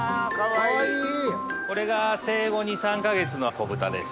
これが生後２３か月の子豚です。